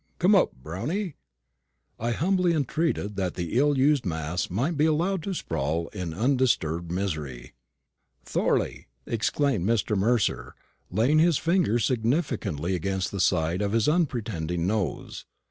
Coom up, Brownie!" I humbly entreated that the ill used mass might be allowed to sprawl in undisturbed misery. "Thorley!" exclaimed Mr. Mercer, laying his finger significantly against the side of his unpretending nose.